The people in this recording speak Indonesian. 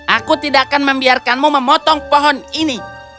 aku tidak akan membiarkanmu memotong pohon ini